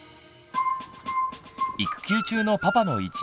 育休中のパパの一日です。